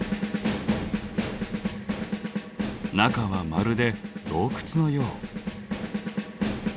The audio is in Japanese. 中はまるで洞窟のよう。